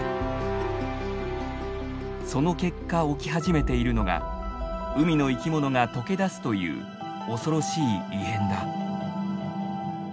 その結果起き始めているのが海の生き物が溶け出すという恐ろしい異変だ。